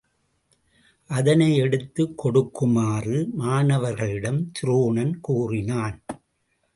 அதனை எடுத்துக் கொடுக்குமாறு மாணவர்களிடம் துரோணன் கூறினான்.